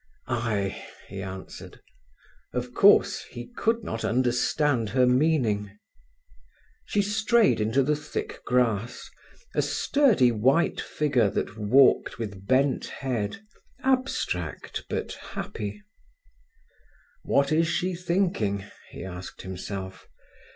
"Ay!" he answered. Of course, he could not understand her meaning. She strayed into the thick grass, a sturdy white figure that walked with bent head, abstract, but happy. "What is she thinking?" he asked himself.